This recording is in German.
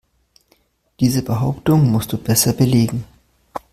Diese Behauptung musst du besser belegen.